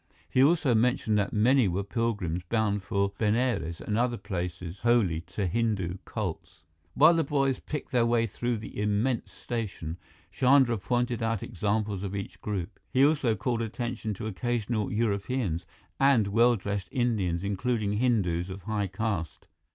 He also mentioned that many were pilgrims bound for Benares and other places holy to Hindu cults. While the boys picked their way through the immense station, Chandra pointed out examples of each group. He also called attention to occasional Europeans and well dressed Indians, including Hindus of high caste.